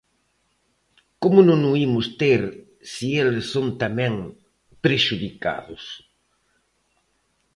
Como non o imos ter se eles son tamén prexudicados?